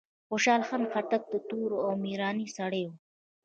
خوشحال خان خټک د توری او ميړانې سړی وه.